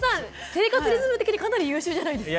生活リズム的にかなり優秀じゃないですか？